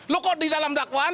lo kok di dalam dakwaan